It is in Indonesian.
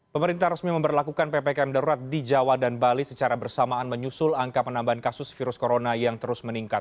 pemerintah resmi memperlakukan ppkm darurat di jawa dan bali secara bersamaan menyusul angka penambahan kasus virus corona yang terus meningkat